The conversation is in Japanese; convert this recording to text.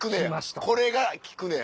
これが効くねや。